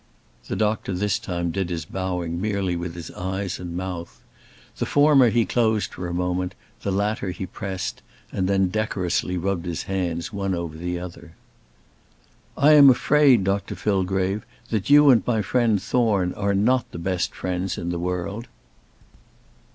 The doctor this time did his bowing merely with his eyes and mouth. The former he closed for a moment, the latter he pressed; and then decorously rubbed his hands one over the other. "I am afraid, Dr Fillgrave, that you and my friend Thorne are not the best friends in the world."